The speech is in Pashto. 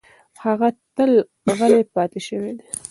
هغه تل غلې پاتې شوې ده.